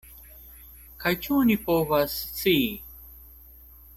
Kaj ĉu oni povas scii?